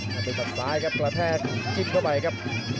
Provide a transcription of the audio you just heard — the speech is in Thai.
ด้วยกับซ้ายครับกระแทกจิ้มเข้าไปครับ